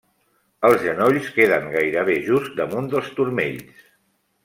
Els genolls queden gairebé just damunt dels turmells.